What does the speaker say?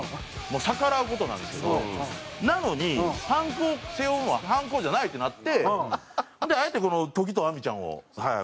逆らう事なんですけどなのにパンクを背負うのは反抗じゃないってなってあえてこの時東ぁみちゃんをはい。